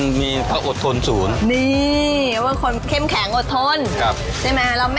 พอไม่ปลาของแล้วนะพอเนอะ